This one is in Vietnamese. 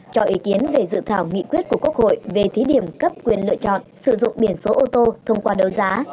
cho ý kiến về dự thảo nghị quyết của quốc hội về thí điểm cấp quyền lựa chọn sử dụng biển số ô tô thông qua đấu giá